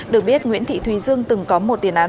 được biết nguyễn thị thùy dương từng có một tiền án